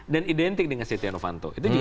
dan identik dengan setia novanto itu juga